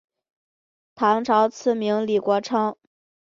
唐朝赐名李国昌。